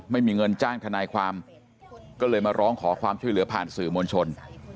ไม่มีเงินจ้างทนายความก็เลยมาร้องขอความช่วยเหลือผ่านสื่อมวลชน